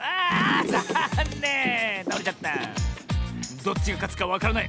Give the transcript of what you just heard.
どっちがかつかわからない。